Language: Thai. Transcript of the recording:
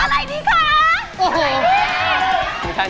อะไรนี้คะ